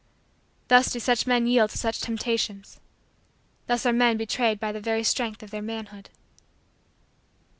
Thus do such men yield to such temptations. Thus are men betrayed by the very strength of their manhood.